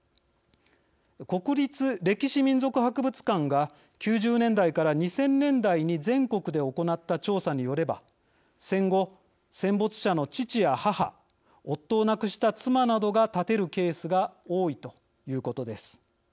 国立歴史民俗博物館が９０年代から２０００年代に全国で行った調査によれば戦後、戦没者の父や母夫を亡くした妻などが建てるケースが多いということです。